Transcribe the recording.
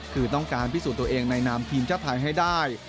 คือต้องการพิสูจน์ตัวเองในนามทีมชาติไทยให้ได้